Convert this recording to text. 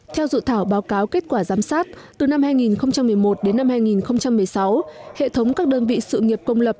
theo dự thảo báo cáo kết quả giám sát từ năm hai nghìn một mươi một đến năm hai nghìn một mươi sáu hệ thống các đơn vị sự nghiệp công lập